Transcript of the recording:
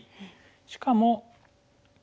しかも。